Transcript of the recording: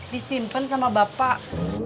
disimpen sama bapak